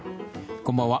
こんばんは。